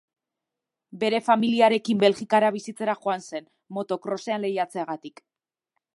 Bere familiarekin Belgikara bizitzera joan zen, moto-krosean lehiatzeagatik.